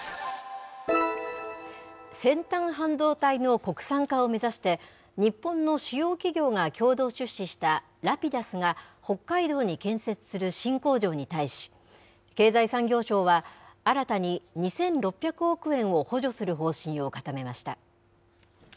先端半導体の国産化を目指して、日本の主要企業が共同出資したＲａｐｉｄｕｓが、北海道に建設する新工場に対し、経済産業省は、新たに２６００億円を補助する方針を固めました。